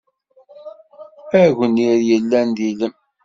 Agnir yella d ilem.